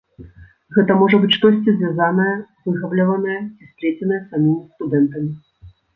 Гэта можа быць штосьці звязанае, выгабляванае ці сплеценае самімі студэнтамі.